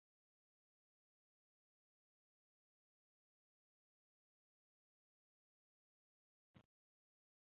伊桑拉。